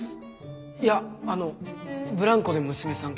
いやあのブランコで娘さん